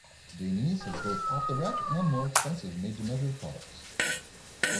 Dainese has both off-the-rack and more expensive made to measure products.